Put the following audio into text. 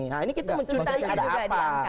nah ini kita mencurigai ada apa